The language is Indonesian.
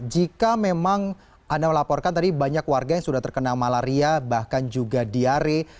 jika memang anda melaporkan tadi banyak warga yang sudah terkena malaria bahkan juga diare